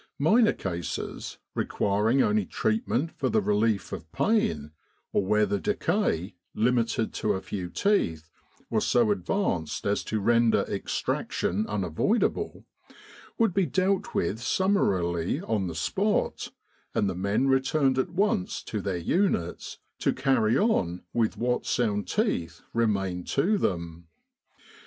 Minor cases, requiring only treatment for the relief of pain, or where the decay, limited to a few teeth, was so advanced as to render extraction unavoidable, would be dealt with summarily on the spot, and the men returned at once to their units, to carry on with what sound teeth remained to them.